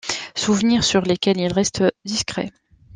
Souvenirs sur lesquels il reste discret.